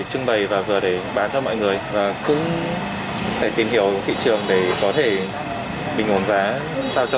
trưng bày và vừa để bán cho mọi người và cứ để tìm hiểu thị trường để có thể bình ổn giá sao cho